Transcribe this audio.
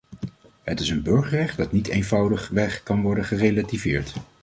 Het is een burgerrecht dat niet eenvoudigweg kan worden gerelativeerd!